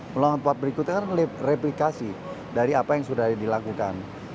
melompat berikutnya kan replikasi dari apa yang sudah dilakukan